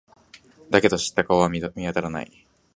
だけど、知った顔は見当たらない。